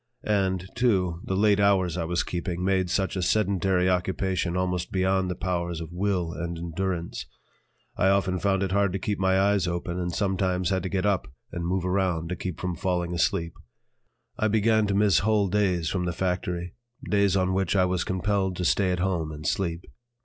And, too, the late hours I was keeping made such a sedentary occupation almost beyond the powers of will and endurance. I often found it hard to keep my eyes open and sometimes had to get up and move around to keep from falling asleep. I began to miss whole days from the factory, days on which I was compelled to stay at home and sleep.